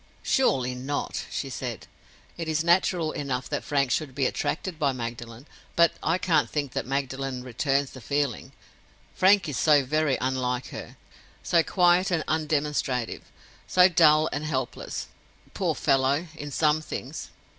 "Surely not?" she said. "It is natural enough that Frank should be attracted by Magdalen; but I can't think that Magdalen returns the feeling. Frank is so very unlike her; so quiet and undemonstrative; so dull and helpless, poor fellow, in some things.